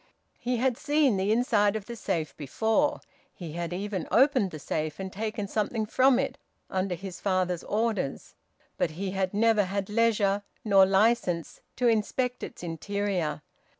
He had seen the inside of the safe before; he had even opened the safe, and taken something from it, under his father's orders. But he had never had leisure, nor licence, to inspect its interior.